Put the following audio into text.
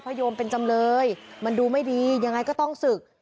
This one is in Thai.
โยมเป็นจำเลยมันดูไม่ดียังไงก็ต้องศึก